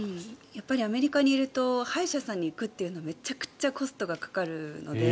やっぱりアメリカにいると歯医者さんに行くというのはめちゃくちゃコストがかかるので。